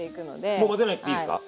もう混ぜなくていいんですか？